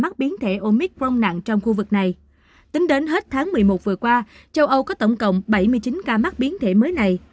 tính đến hết tháng một mươi một vừa qua châu âu có tổng cộng bảy mươi chín ca mắc biến thể mới này